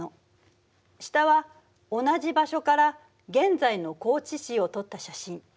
下は同じ場所から現在の高知市を撮った写真。